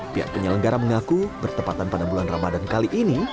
pian penyelenggara mengaku bertempatan pada bulan ramadan kali ini